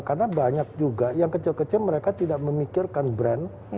karena banyak juga yang kecil kecil mereka tidak memikirkan brand